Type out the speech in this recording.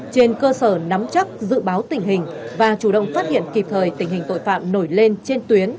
trên cơ sở nắm chắc dự báo tình hình và chủ động phát hiện kịp thời tình hình tội phạm nổi lên trên tuyến